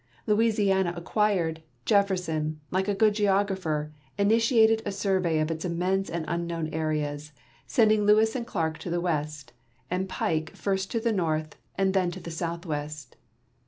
Louisiana acquired, Jefferson, like a good geographer, initiated a survey of its immense and unknown areas, sending Lewis and Clarke to the west, and Pike first to the north and then to the southwest.